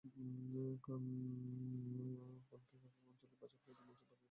CONCACAF অঞ্চলের বাছাইপর্বে দুই match বাকি থাকতেই নিশ্চিত করেছে ব্রাজিলের টিকিট।